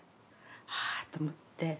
ああと思って。